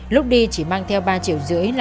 lúc đi chỉ mang theo ba triệu rưỡi làm nổ phí